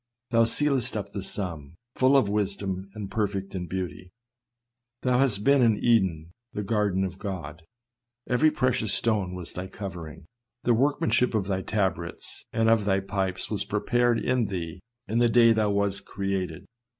" Thou sealest up the sum, full of wisdom, and perfect in beauty. Thou hast been in Eden, the garden of God; every precious stone was thy covering — the workmanship of thy tabrets and of thy pipes was prepared in thee in the day that thou wast created.